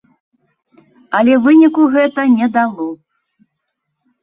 Але выніку гэта не дало.